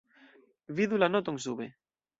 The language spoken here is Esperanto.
Vidu la noton sube.